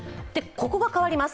ここが変わります。